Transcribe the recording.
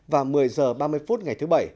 và một mươi h ba mươi ngày thứ bảy